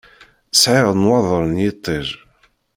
Sɛiɣ nnwaḍeṛ n yiṭij.